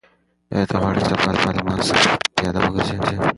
آیا ته غواړې چې سبا له ما سره پیاده وګرځې؟